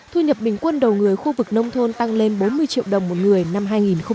thu nhập bình quân đầu người khu vực nông thôn tăng lên bốn mươi triệu đồng một người năm hai nghìn một mươi tám